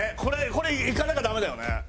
これいかなきゃダメだよね。